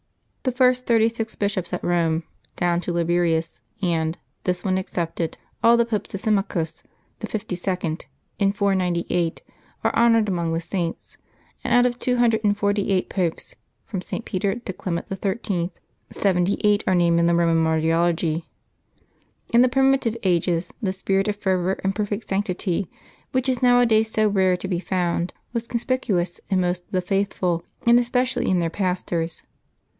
The first tliirty six bishops at Eome, down to Liberius, and, this one excepted, all the popes to Symmachus, the fifty second, in 498, are honored among the Saints; and out of two hundred and forty eight popes, from St. Peter to Clement XIII. seventy eight are named in the Eoman Martyrology. In the primitive ages, the spirit of fervor and perfect sanctity, which is nowadays so rarely to be found, was conspicuous in most of the faithful, and espe cially in their pastors.